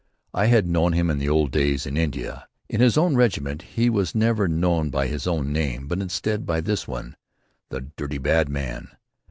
I had known him in the old days in India. In his own regiment he was never known by his own name, but instead by this one: "The dirty bad man."